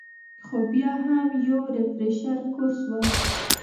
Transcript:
خو بيا هم يو ريفرېشر کورس وۀ -